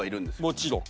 もちろん。